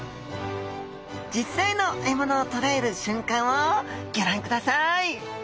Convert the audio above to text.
実際の獲物を捕らえる瞬間をギョ覧ください！